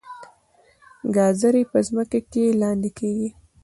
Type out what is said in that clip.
ګازرې په ځمکه کې لاندې کیږي